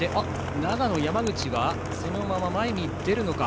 長野の山口がそのまま前に出るか。